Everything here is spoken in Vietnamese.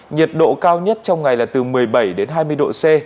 nhiệt độ cao nhất trong ngày là từ một mươi bảy đến hai mươi độ c